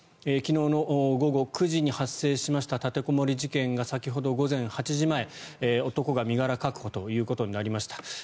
昨日の午後９時に発生しました立てこもり事件が先ほど午前８時前男が身柄確保となりました。